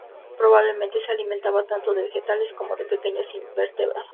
Probablemente se alimentaba tanto de vegetales como de pequeños invertebrados.